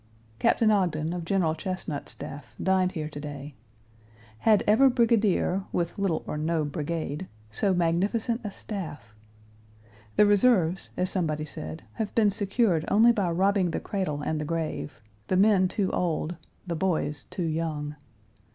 Captain Ogden, of General Chesnut's staff, dined here to day. Had ever brigadier, with little or no brigade, so magnificent a staff? The reserves, as somebody said, have been secured only by robbing the cradle and the grave the men too old, the boys too young.